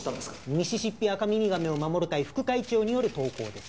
「ミシシッピアカミミガメを守る会副会長」による投稿です。